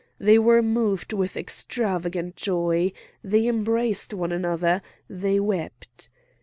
They were moved with extravagant joy, they embraced one another, they wept.